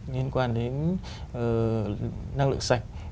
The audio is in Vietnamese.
liên quan đến năng lượng sạch